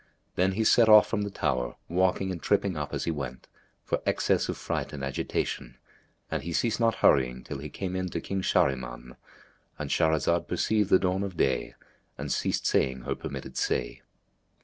Then he set off from the tower, walking and tripping up as he went, for excess of fright and agitation, and he ceased not hurrying till he came in to King Shahriman.—And Shahrazad perceived the dawn of day and ceased saying her permitted say.